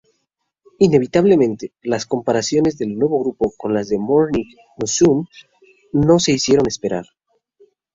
Inevitablemente, las comparaciones del nuevo grupo con las Morning Musume no se hicieron esperar.